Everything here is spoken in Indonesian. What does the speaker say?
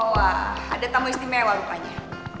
wah ada tamu istimewa rupanya